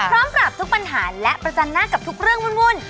พร้อมปรับทุกปัญหาและประจันหน้ากับทุกเรื่องวุ่น